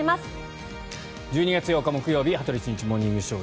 １２月８日、木曜日「羽鳥慎一モーニングショー」。